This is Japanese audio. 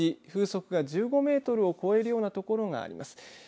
風速が１５メートルを超えるような所があります。